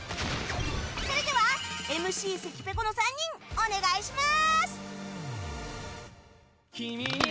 それではＭＣ関ぺこの３人お願いします！